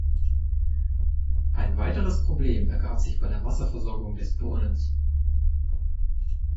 Ein weiteres Problem ergab sich bei der Wasserversorgung des Brunnens.